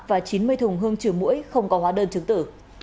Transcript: và chín mươi thùng hương trừ mũi không có hóa đơn chứng tử